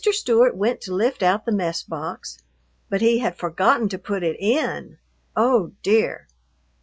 Stewart went to lift out the mess box, but he had forgotten to put it in! Oh, dear!